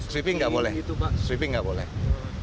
sweeping tidak boleh sweeping tidak boleh